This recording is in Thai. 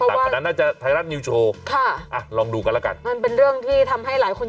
ประมาณ๓๐วิแล้วมันก็เงียบไปซึ่งมันก็เป็นเรื่องที่แปลกนะ